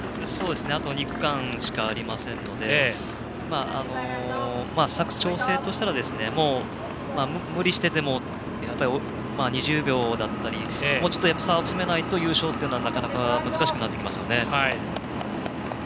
あと２区間しかありませんので佐久長聖としたら、無理してでも２０秒だったりもうちょっと差を詰めないと優勝というのは難しくなってきますね。